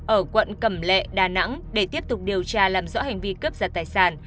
ở quận cẩm lệ đà nẵng để tiếp tục điều tra làm rõ hành vi cướp giật tài sản